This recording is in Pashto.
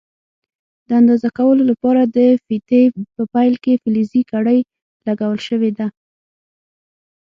د اندازه کولو لپاره د فیتې په پیل کې فلزي کړۍ لګول شوې ده.